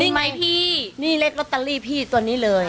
ไหมพี่นี่เลขลอตเตอรี่พี่ตัวนี้เลย